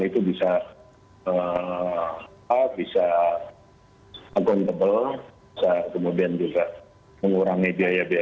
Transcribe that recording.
itu harus bisa menertibkan bagaimana anggaran itu bisa